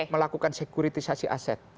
melakukan sekuritisasi aset